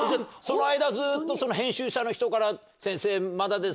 その間ずっと編集者の人から。